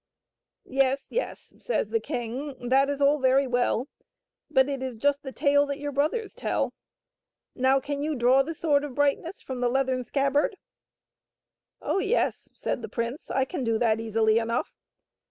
" Yes, yes," says the king, " that is all very well, but it is just the tale that your brothers tell ; now can you draw the Sword of Brightness from the leathern scabbard ?"" Oh, yes," said the prince, " I can do that easily enough."